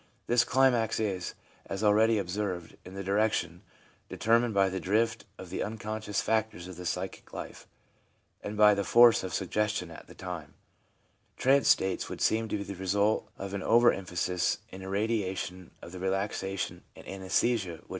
This climax is, as already observed, in the direction deter mined by the drift of the unconscious factors of the psychic life, and by the force of suggestion at the time. Trance states would seem to be the result of an over emphasis and irradiation of the relaxation and anaesthesia 1 See, for instance, The Life and Woj ks of Peter Cartzvright.